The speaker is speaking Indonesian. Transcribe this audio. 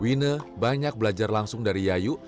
wine banyak belajar langsung dari yayu